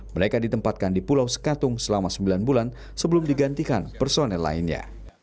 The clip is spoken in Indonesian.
mereka ditempatkan di pulau sekatung selama sembilan bulan sebelum digantikan personel lainnya